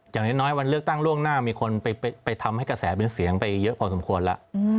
อย่างน้อยวันเลือกตั้งล่วงหน้ามีคนไปทำให้กระแสเป็นเสียงไปเยอะพอสมควรแล้ว